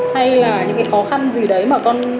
hay là những cái khó khăn gì đấy mà con